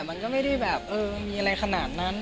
มันก็ไม่ได้แบบเออมีอะไรขนาดนั้น